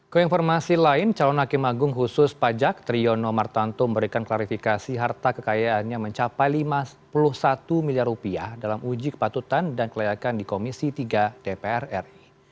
keinformasi lain calon hakim agung khusus pajak triyono martanto memberikan klarifikasi harta kekayaannya mencapai lima puluh satu miliar rupiah dalam uji kepatutan dan kelayakan di komisi tiga dpr ri